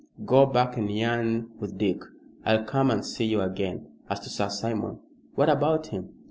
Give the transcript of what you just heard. Go back and yarn with Dick, I'll come and see you again. As to Sir Simon " "What about him?"